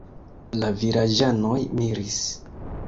La vilaĝanoj miris.